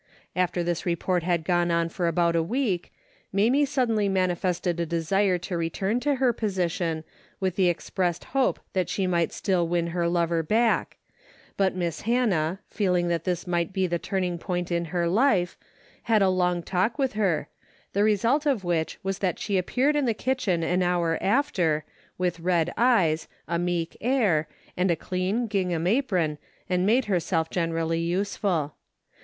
After this report had gone on for about a week, Mamie suddenly manifested a. desire to return to her position, with the expressed hope that she might still win her lover back, but Miss Hannah, feeling that this might be the turning point in her life, had a long talk with her, the result of which was that she appeared in the kitchen an hour after, with red eyes, a meek air and a clean gingham apron and made herself generally useful.